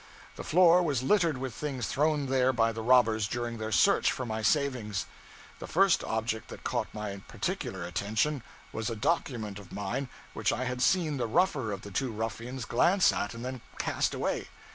The floor was littered with things thrown there by the robbers during their search for my savings. The first object that caught my particular attention was a document of mine which I had seen the rougher of the two ruffians glance at and then cast away.